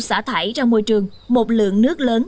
xả thải ra môi trường một lượng nước lớn